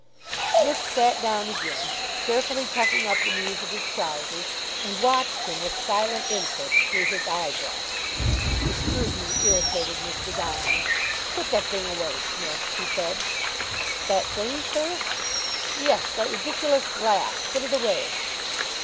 Psmith sat down again, carefully tucking up the knees of his trousers, and watched him with silent interest through his eyeglass. The scrutiny irritated Mr. Downing. "Put that thing away, Smith," he said. "That thing, sir?" "Yes, that ridiculous glass. Put it away."